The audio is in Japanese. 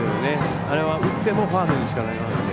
あれは、打ってもファウルにしかならないので。